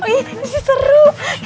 ini sih seru